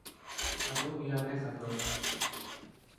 അതോ നീയവനെ കണ്ടോ